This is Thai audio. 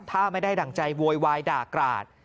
ถ้าไม่ได้ดั่งใจโวยวายด่ากราด